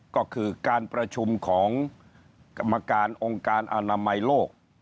ก็คือการประชุมของกรรมการองค์การอนามัยโลก